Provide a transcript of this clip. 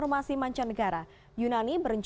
kami menemukan dari koreks